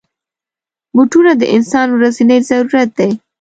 بوټونه د انسان ورځنی ضرورت دی.